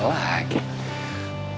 udah mulai manggil mas